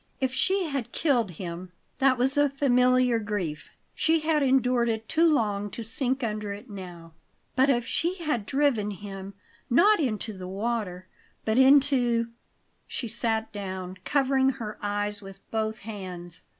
If she had killed him that was a familiar grief; she had endured it too long to sink under it now. But if she had driven him, not into the water but into She sat down, covering her eyes with both hands.